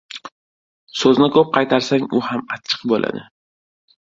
• So‘zni ko‘p qaytarsang, u ham achchiq bo‘ladi.